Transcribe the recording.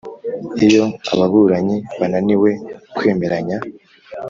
Iyo ababuranyi bananiwe kwemeranya